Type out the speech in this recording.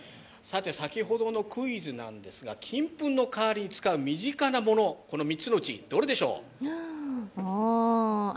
先ほどのクイズなんですが金粉の代わりに使う身近なもの、この３つのうち、どれでしょう？